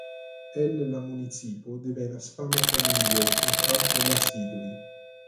El la municipo devenas fama familio de Havlasidoj.